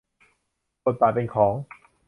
บทบาทเป็นของ